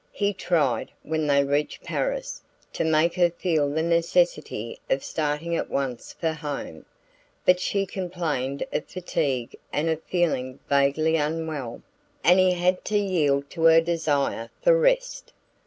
He tried, when they reached Paris, to make her feel the necessity of starting at once for home; but she complained of fatigue and of feeling vaguely unwell, and he had to yield to her desire for rest.